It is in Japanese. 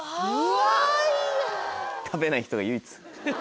食べない人が唯一。